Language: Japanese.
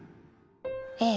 ええ。